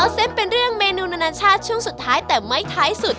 เส้นเป็นเรื่องเมนูนานาชาติช่วงสุดท้ายแต่ไม่ท้ายสุด